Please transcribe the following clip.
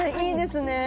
いいですね。